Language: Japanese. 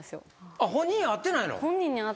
本人会ってないの？